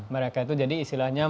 mereka itu jadi istilahnya